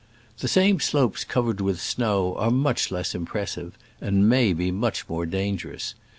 The same slopes covered with snow are much less impressive, and may be much more dangerous.